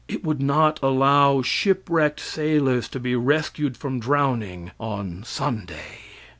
It would not allow ship wrecked sailors to be rescued from drowning on Sunday.